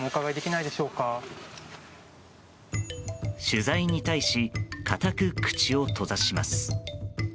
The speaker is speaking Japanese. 取材に対し固く口を閉ざします。